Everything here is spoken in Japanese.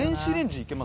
「いきます！